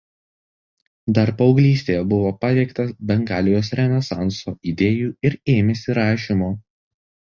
Dar paauglystėje buvo paveiktas „Bengalijos renesanso“ idėjų ir ėmėsi rašymo.